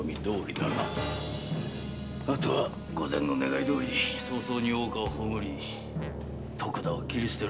あとは御前の願いどおり早々に大岡を葬り徳田を斬りすてる。